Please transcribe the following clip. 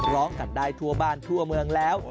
ร้องกันได้ทั่วบ้านทั่วเมืองแล้ว